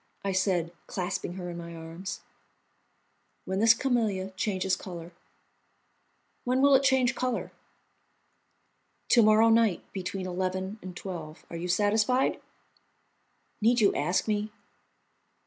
I said, clasping her in my arms. "When this camellia changes colour." "When will it change colour?" "To morrow night between eleven and twelve. Are you satisfied?" "Need you ask me?"